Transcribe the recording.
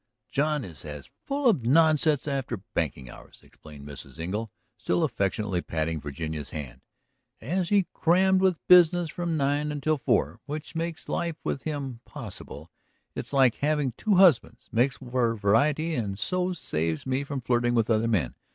"John is as full of nonsense after banking hours," explained Mrs. Engle, still affectionately patting Virginia's hand, "as he is crammed with business from nine until four. Which makes life with him possible; it's like having two husbands, makes for variety and so saves me from flirting with other men.